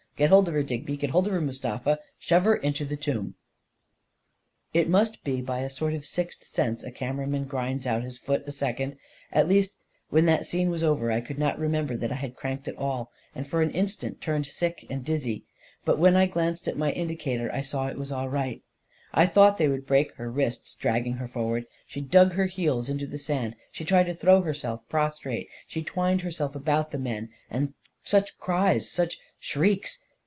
Get hold of her, Digby; get hold of her, Mustafa. Shove her into the tomb !" 256 A KING IN BABYLON It must be by a sort of sixth sense a cameraman grinds out his foot a second; at least, when that scene was over, I could not remember that I had cranked at all, and for an instant turned sick and dizzy; but when I glanced at my indicator, I saw it was all right ... I thought they would break her wrists, dragging her forward. She dug her heels into the sand, she tried to throw herself prostrate, she twined herself about the men — and such cries, such shrieks